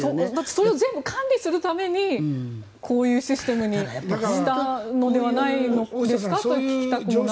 それを全部管理するためにこういうシステムにしたのではないのですかと聞きたくなるのですが。